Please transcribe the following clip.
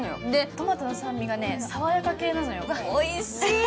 トマトの酸味がさわやか系なのよ、おいしい。